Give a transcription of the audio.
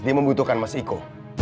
dia membutuhkan mas iko